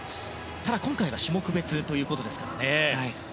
ただ、今回は種目別ということですからね。